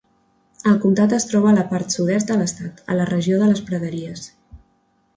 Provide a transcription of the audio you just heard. El comtat es troba a la part sud-est de l'estat, a la regió de les praderies.